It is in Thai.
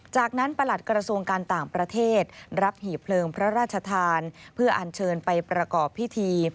จากนั้นประหลัดกระทรวงการต่างประเทศรับหีบเพลิงพระราชทานเพื่ออัญเชิญไปประกอบพิธี